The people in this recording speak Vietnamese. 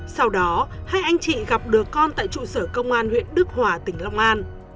sau đó hai anh chị gặp đứa con tại trụ sở công an huyện đức hòa tỉnh long an